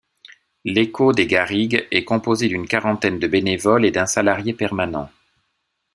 L'Eko des Garrigues est composé d'une quarantaine de bénévoles et d'un salarié permanent.